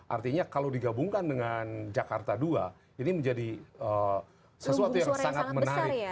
artinya kalau digabungkan dengan jakarta dua ini menjadi sesuatu yang sangat menarik